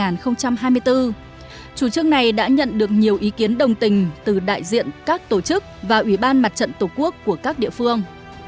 năm hai nghìn một mươi bốn chủ trương này đã nhận được nhiều ý kiến đồng tình từ đại diện các tổ chức và ủy ban mặt trận tổ quốc của các địa phương